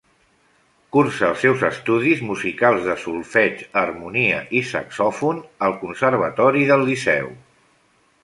Cursa els seus estudis musicals de solfeig, harmonia i saxòfon al Conservatori del Liceu.